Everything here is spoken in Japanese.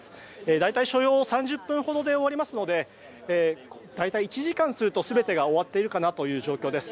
大体、所要３０分ほどで終わりますので大体１時間すると全てが終わっているかなという状況です。